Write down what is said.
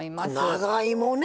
長芋ね！